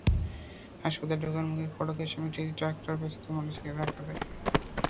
হাসপাতালে ঢোকার মুখে ফটকের সামনে একটি ট্রাক্টর পেছন থেকে মোটরসাইকেলটিকে ধাক্কা দেয়।